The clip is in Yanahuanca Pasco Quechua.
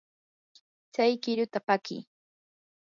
tsay qiruta pakii.